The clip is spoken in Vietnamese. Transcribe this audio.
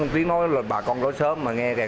tiếng nói là bà con nói sớm mà nghe